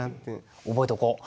覚えとこう。